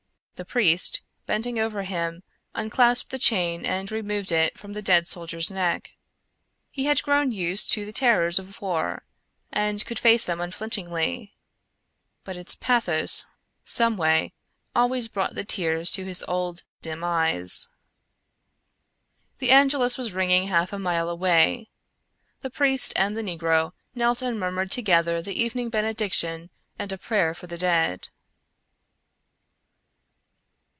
The priest, bending over him, unclasped the chain and removed it from the dead soldier's neck. He had grown used to the terrors of war and could face them unflinchingly; but its pathos, someway, always brought the tears to his old, dim eyes. The angelus was ringing half a mile away. The priest and the negro knelt and murmured together the evening benediction and a prayer for the dead.